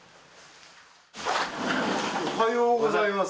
おはようございます。